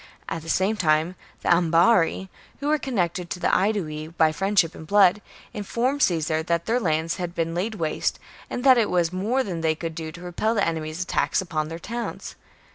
At the same time the Ambarri, who were connected with the Aedui by friendship and blood, informed Caesar that their lands had been laid waste, and that it was more than they could do to repel the enemy's attacks upon their towns.